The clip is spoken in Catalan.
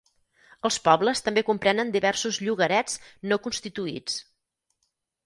Els pobles també comprenen diversos llogarets no constituïts.